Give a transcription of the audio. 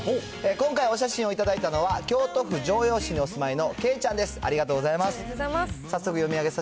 今回、お写真を頂いたのは、京都府城陽市にお住まいのけいちゃんです。